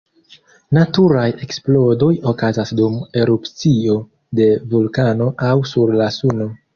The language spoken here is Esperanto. Naturaj eksplodoj okazas dum erupcio de vulkano aŭ sur la Suno.